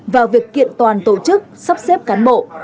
vào việc kiện toàn tổ chức sắp xếp cán bộ